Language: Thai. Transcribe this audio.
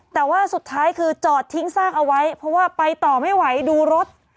แต่ว่าสุดท้ายคือจอดทิ้งซากเอาไว้เพราะว่าไปต่อไม่ไหวดูรถ